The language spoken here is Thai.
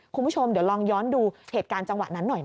คุณผู้ชมเดี๋ยวลองย้อนดูเหตุการณ์จังหวะนั้นหน่อย